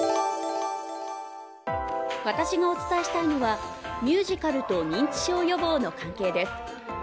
私がお伝えしたいのはミュージカルと認知症予防の関係です。